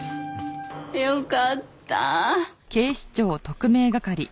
よかった。